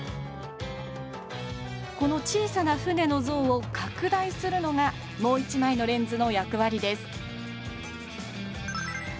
この小さな船の像を拡大するのがもう一枚のレンズの役割です